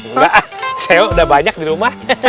mbak saya udah banyak di rumah